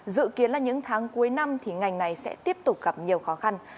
dự kiến là những tháng cuối năm thì ngành này sẽ tiếp tục gặp nhiều khó khăn